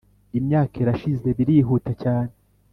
imyaka irashize, birihuta cyane